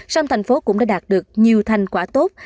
xong tp hcm cũng đã đạt được nhiều thành quả tốt